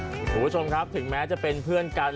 คุณผู้ชมครับถึงแม้จะเป็นเพื่อนกัน